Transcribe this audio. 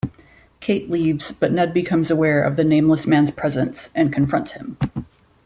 Kate leaves, but Ned becomes aware of the nameless man's presence and confronts him.